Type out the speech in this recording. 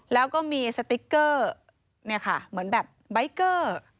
แล้วก็มีสติ๊กเกอร์เหมือนแบบบิ๊กเกอร์